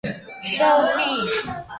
Show me.